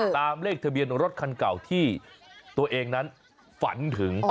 เลขทะเบียนรถคันเก่าที่ตัวเองนั้นฝันถึง